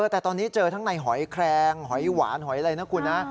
แต่ตอนนี้เจอทั้งในหอยแครงหอยหวานหอยอะไรนะคุณนะ